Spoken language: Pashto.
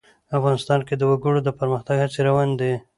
افغانستان کې د وګړي د پرمختګ هڅې روانې دي.